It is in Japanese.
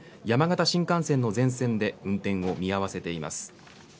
山形新幹線の全線で運転を見合わせています。